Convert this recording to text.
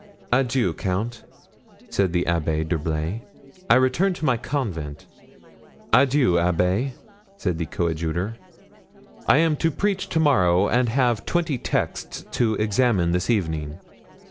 "Adieu, count," said the Abbé d'Herblay; "I return to my convent." "Adieu, abbé," said the coadjutor, "I am to preach to morrow and have twenty texts to examine this evening."